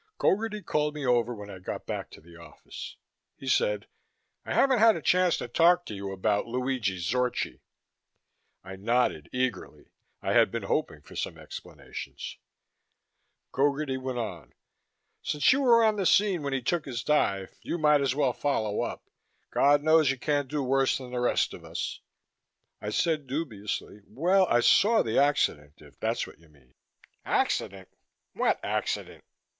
Gogarty called me over when I got back to the office. He said, "I haven't had a chance to talk to you about Luigi Zorchi." I nodded eagerly. I had been hoping for some explanations. Gogarty went on, "Since you were on the scene when he took his dive, you might as well follow up. God knows you can't do worse than the rest of us." I said dubiously, "Well, I saw the accident, if that's what you mean." "Accident! What accident?